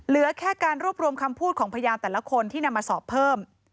เหลือแค่การรวบรวมคำพูดของพยานแต่ละคนที่นำมาสอบเพิ่ม